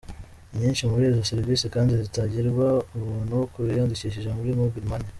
Inyinshi muri izo serivisi kandi zitangirwa ubuntu ku biyandikishije muri Mobile Money.